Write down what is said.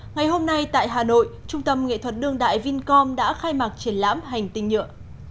ngày hôm nay tại hà nội trung tâm nghệ thuật đương đại vincom đã khai mạc triển lãm hành tinh nhựa